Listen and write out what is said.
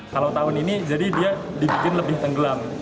kalau tahun ini jadi dia dibikin lebih tenggelam